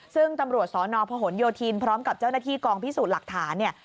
ซึ่งตำรวจสนพหนโยธินพร้อมกับเจ้าหน้าที่กองพิสูจน์หลักฐานเนี่ย